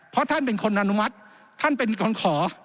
เพราะท่านเป็นคนอนุมัติท่านเป็นคนขอ